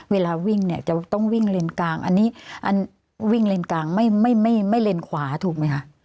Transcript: เวลาวิ่งเนี่ยจะต้องวิ่งเลนกลางอันนี้วิ่งเลนกลางไม่เลนขวาถูกไหมคะ